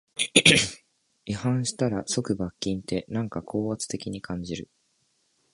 違反したら即罰金って、なんか高圧的に感じる